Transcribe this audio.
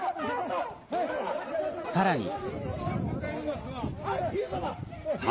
さらに。